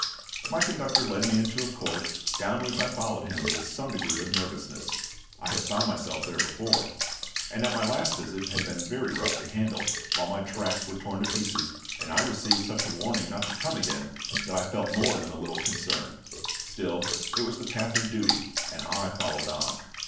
My conductor led me into a court, down which I followed him with some degree of nervousness. I had found myself there before, and at my last visit had been very roughly handled, while my tracts were torn to pieces, and I received such a warning not to come again that I felt more than a little concerned. Still, it was the path of duty, and I followed on.